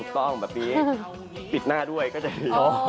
ต้องปะปี้ปิดหน้าด้วยก็จะดี